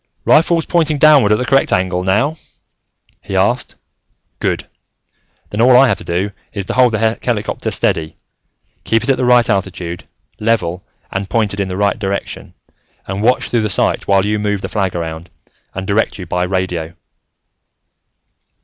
"Rifle's pointing downward at the correct angle now?" he asked. "Good. Then all I have to do is to hold the helicopter steady, keep it at the right altitude, level and pointed in the right direction, and watch through the sight while you move the flag around, and direct you by radio."